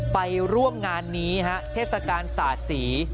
ไปร่วมงานนี้ฮะเทศกาลสาดสี